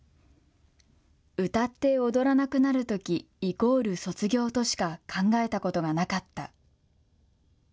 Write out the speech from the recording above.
歌って踊らなくなるとき＝卒業としか考えたことがなかった。